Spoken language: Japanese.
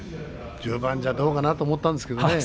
１０番じゃ、どうかなと思ったんですけどね。